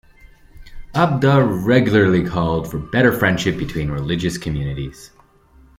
Abduh regularly called for better friendship between religious communities.